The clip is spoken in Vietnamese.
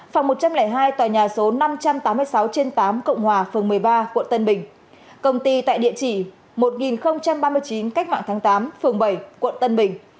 phòng một trăm linh hai tòa nhà số năm trăm tám mươi sáu trên tám cộng hòa phường một mươi ba quận tân bình công ty tại địa chỉ một nghìn ba mươi chín cách mạng tháng tám phường bảy quận tân bình